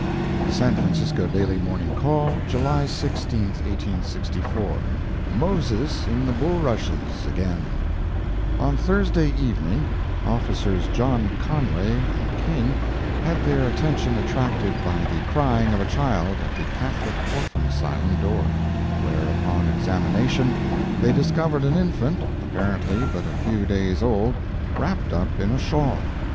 The San Francisco Daily Morning Call, July 16, 1864 MOSES IN THE BULRUSHES AGAIN On Thursday evening, officers John Conway and King had their attention attracted by the crying of a child at the Catholic Orphan Asylum door; where, upon examination, they discovered an infant, apparently but a few days old, wrapped up in a shawl.